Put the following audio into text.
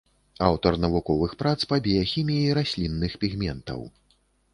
Аўтар навуковых прац па біяхіміі раслінных пігментаў.